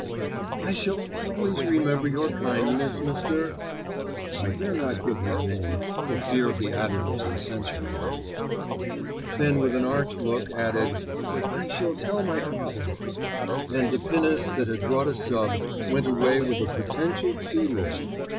"I shall always remember your kindness, Mr. ——" (I dare not give his name for fear of the Admiralty censuring him). Then with an arch look added, "I shall tell my father." And the pinnace that had brought a sub. went away with a potential Sea Lord.